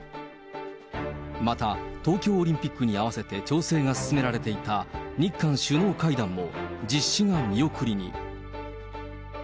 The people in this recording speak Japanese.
また、東京オリンピックに合わせて調整が進められていた日韓首脳会談も、実施が見送りに。